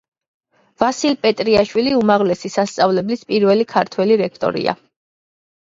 ვასილ პეტრიაშვილი უმაღლესი სასწავლებლის პირველი ქართველი რექტორია.